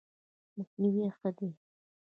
مخنیوی ښه دی.